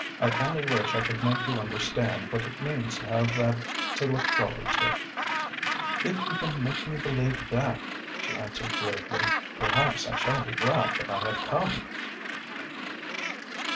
I only wish I could make you understand what it means to have that to look forward to." "If you can make me believe that," she answered gravely, "perhaps I shall be glad that I have come."